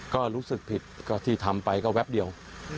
ก็รู้สึกผิดก็ที่ทำไปก็แป๊บเดียว